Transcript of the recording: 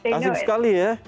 kasih sekali ya